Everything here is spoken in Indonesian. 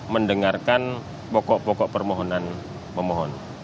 mendengarkan pokok pokok permohonan pemohon